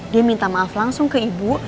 dia minta maaf langsung ke ibu